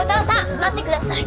待ってください